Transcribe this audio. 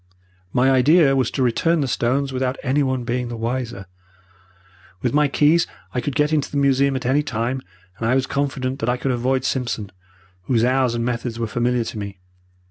"My idea was to return the stones without anyone being the wiser. With my keys I could get into the museum at any time, and I was confident that I could avoid Simpson, whose hours and methods were familiar to me.